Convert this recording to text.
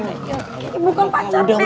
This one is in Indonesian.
ibu kan pacar teks